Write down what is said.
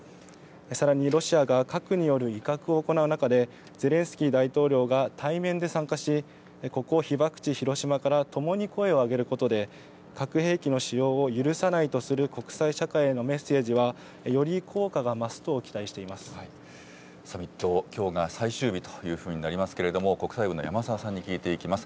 さらにロシアが核による威嚇を行う中で、ゼレンスキー大統領が対面で参加し、ここ被爆地、広島からともに声を上げることで、核兵器の使用を許さないとする国際社会へのメッセージは、より効サミット、きょうが最終日というふうになりますけれども、国際部の山澤さんに聞いていきます。